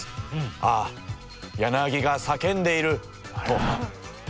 「ああヤナギが叫んでいる！」と。